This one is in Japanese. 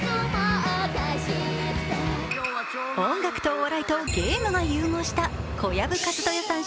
音楽とお笑いとゲームが融合した小籔千豊さん